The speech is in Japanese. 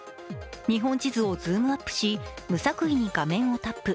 日本地図をズームアップし、無作為に画面をタップ。